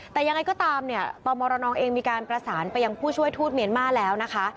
แต่ยังไงก็ตามเนี่ยตมรนเองมีการประสานไปยังผู้ช่วยทูตเมียนมาร์แล้วนะคะ